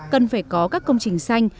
cần phải có các công trình xanh